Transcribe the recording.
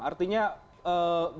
artinya bisa membahayakan